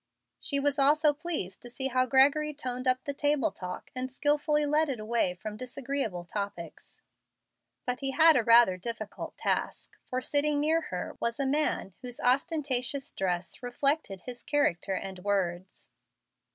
She was also pleased to see how Gregory toned up the table talk and skilfully led it away from disagreeable topics. But he had a rather difficult task, for, sitting near her, was a man whose ostentatious dress reflected his character and words.